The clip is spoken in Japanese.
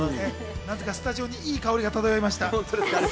なぜかスタジオにいい香りが漂いました。